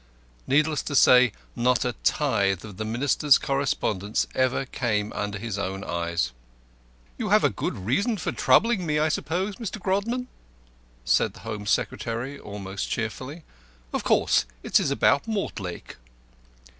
Needless to say not a tithe of the Minister's correspondence ever came under his own eyes. "You have a valid reason for troubling me, I suppose, Mr. Grodman?" said the Home Secretary, almost cheerfully. "Of course it is about Mortlake?"